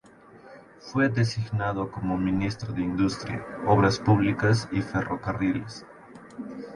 Fue designado como ministro de Industria, Obras Públicas y Ferrocarriles.